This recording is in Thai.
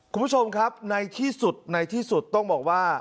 คุณผู้ชมครับในที่สุดในที่สุดต้องบอกว่า